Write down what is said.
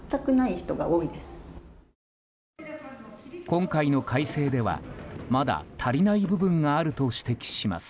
今回の改正ではまだ足りない部分があると指摘します。